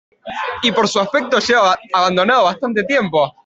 y por su aspecto lleva abandonado bastante tiempo.